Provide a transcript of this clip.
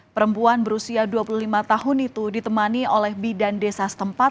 perempuan berusia dua puluh lima tahun itu ditemani oleh bidan desa setempat